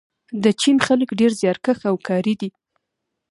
د چین خلک ډېر زیارکښ او کاري دي.